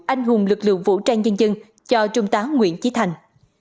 anh hùng lực lượng vũ trang nhân dân cho trung tá nguyễn trí thành